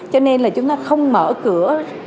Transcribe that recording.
cho nên là chúng ta không mở cửa